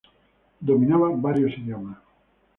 Dominaba varios idiomas.